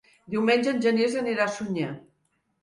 Diumenge en Genís anirà a Sunyer.